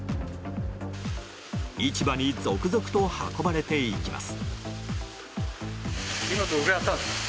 市場に続々と運ばれていきます。